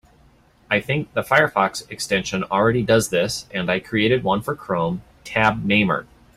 I think the Firefox extension already does this, and I created one for Chrome, Tab Namer.